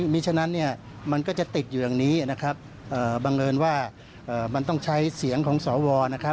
มีฉะนั้นมันก็จะติดอยู่อย่างนี้บังเอิญว่ามันต้องใช้เสียงของสว